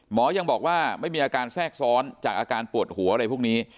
หมอยังบอกว่าไม่มีอาการแทรกซ้อนจากอาการปวดหัวอะไรพวกนี้